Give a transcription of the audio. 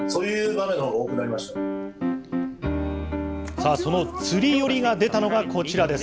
さあ、そのつり寄りが出たのが、こちらです。